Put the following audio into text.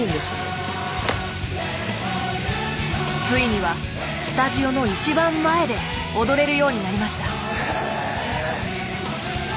ついにはスタジオの一番前で踊れるようになりました。